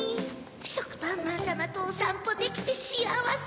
しょくぱんまんさまとおさんぽできてしあわせ